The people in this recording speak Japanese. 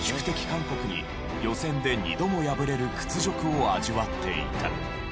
韓国に予選で２度も敗れる屈辱を味わっていた。